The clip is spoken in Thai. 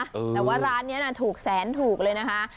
แต่ว่าร้านนี้น่ะถูกแสนถูกเลยนะคะ